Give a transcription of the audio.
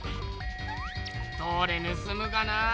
どれぬすむがなあ